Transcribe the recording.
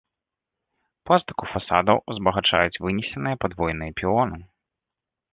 Пластыку фасадаў узбагачаюць вынесеныя падвойныя пілоны.